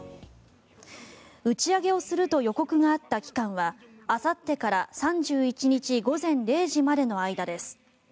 打ち上げをすると予告があった期間はあさってから３１日午前０時までの間です。